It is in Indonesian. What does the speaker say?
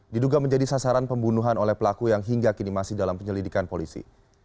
diduga menjadi sasaran pembunuhan oleh pelaku yang hingga kini masih dalam penyelidikan polisi